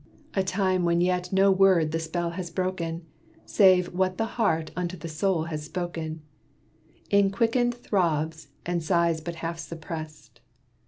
A time when yet no word the spell has broken, Save what the heart unto the soul has spoken, In quickened throbs, and sighs but half suppressed.